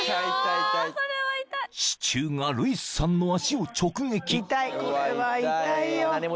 ［支柱がルイスさんの足を直撃］